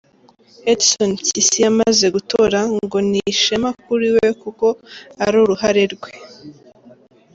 Edson Mpyisi yamaze gutora, ngo ni ishema kuri we kuko ari uruhare rwe.